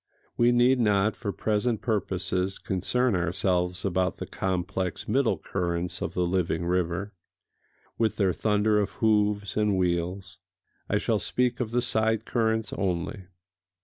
(We need not for present purposes concern ourselves about the complex middle currents of the living river, with their thunder of hoofs and wheels: I shall speak of the side currents only.)